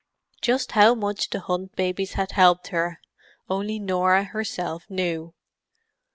Just how much the Hunt babies had helped her only Norah herself knew.